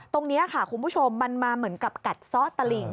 ตรงนี้ค่ะคุณผู้ชมมันมาเหมือนกับกัดซ่อตะหลิ่ง